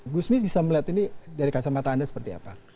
gusmis bisa melihat ini dari kacamata anda seperti apa